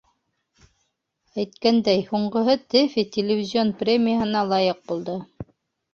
Әйткәндәй, һуңғыһы «Тэфи» телевизион премияһына лайыҡ булды.